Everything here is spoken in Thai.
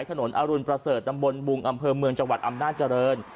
อรุณประเสริฐตำบลบุงอำเภอเมืองจังหวัดอำนาจริง